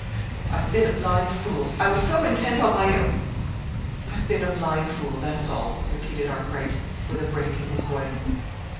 "I've been a blind fool. I was so intent on my own I've been a blind fool; that's all," repeated Arkwright, with a break in his voice.